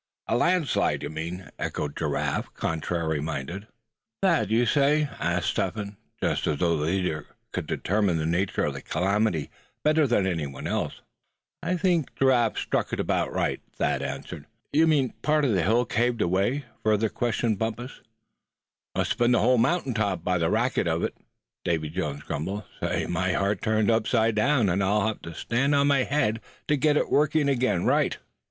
"A landslide, you mean!" echoed Giraffe, contrary minded. "Thad, you say?" asked Step Hen; just as though the leader could determine the nature of the calamity better than any one else. "I think Giraffe struck it about right," Thad answered. "You mean part of the hillside caved away?" further questioned Bumpus. "Must have been the whole mountain top, by the racket it kicked up," Davy Jones grumbled; "say, my heart turned upside down; and I'll have to stand on my head to get it to working again the right way."